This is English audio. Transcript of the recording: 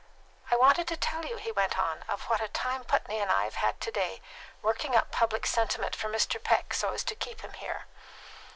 "I wanted to tell you," he went on, "of what a time Putney and I have had to day working up public sentiment for Mr. Peck, so as to keep him here."